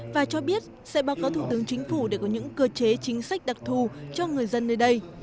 và cho biết sẽ báo cáo thủ tướng chính phủ để có những cơ chế chính sách đặc thù cho người dân nơi đây